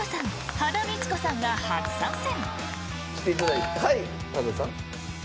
羽田美智子さんが初参戦。